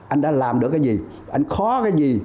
anh đã làm được cái gì anh khó cái gì